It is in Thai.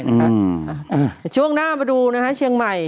โควิดไม่ได้เนี้ยฮะช่วงหน้ามาดูนะคะเชียงใหม่